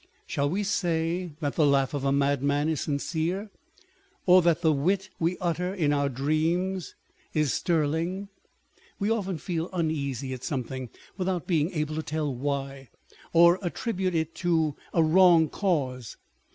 Shall we say that the laugh of a madman is sincere ; or that the wit we utter in our dreams is sterling ? We often feel uneasy at something, without being able to tell why, or attribute it to a wrong cause.